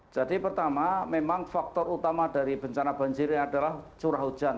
jadi pertama memang faktor utama dari bencana banjir ini adalah curah hujan